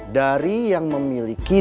dari yang memiliki